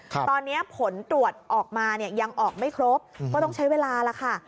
ตอนนี้ผลตรวจออกมาเนี่ยยังออกไม่ครบก็ต้องใช้เวลาแล้วค่ะ